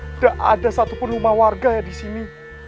tidak ada satupun rumah warga disini